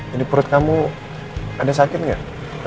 ini perut kamu ada sakit gak